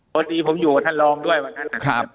พอดีผมอยู่กับท่านรองด้วยวันนั้นนะครับ